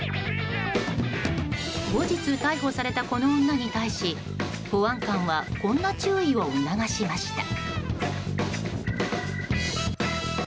後日、逮捕されたこの女に対し保安官はこんな注意を促しました。